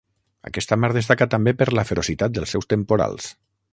Aquesta mar destaca també per la ferocitat dels seus temporals.